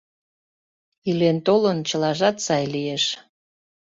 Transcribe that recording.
Илен-толын, чылажат сай лиеш.